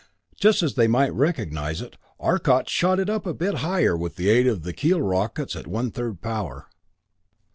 Just that they might recognize it, Arcot shot it up a bit higher with the aid of the keel rockets at one third power.